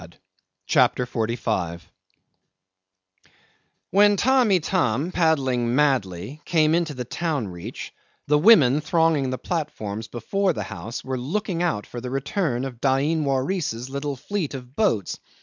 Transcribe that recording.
CHAPTER 45 'When Tamb' Itam, paddling madly, came into the town reach, the women, thronging the platforms before the houses, were looking out for the return of Dain Waris's little fleet of boats.